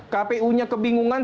kpu nya kebingungan